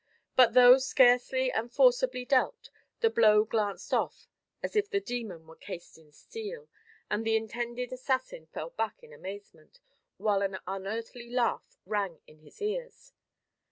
But though surely and forcibly dealt, the blow glanced off as if the demon were cased in steel, and the intended assassin fell back in amazement, while an unearthly laugh rang in his ears.